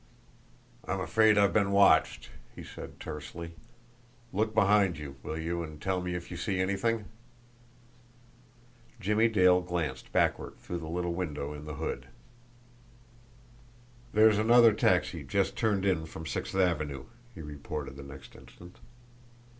"I'm afraid I've been watched," he said tersely. "Look behind you, will you, and tell me if you see anything?" Jimmie Dale glanced backward through the little window in the hood. "There's another taxi just turned in from Sixth Avenue," he reported the next instant.